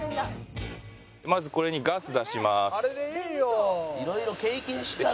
まずこれにガス出します。